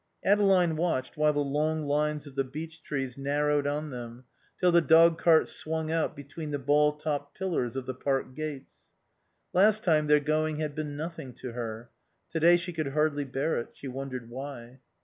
Adeline watched while the long lines of the beech trees narrowed on them, till the dogcart swung out between the ball topped pillars of the Park gates. Last time their going had been nothing to her. Today she could hardly bear it. She wondered why.